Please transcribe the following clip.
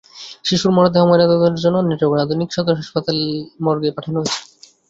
শিশুর মরদেহ ময়নাতদন্তের জন্য নেত্রকোনা আধুনিক সদর হাসপাতাল মর্গে পাঠানো হয়েছে।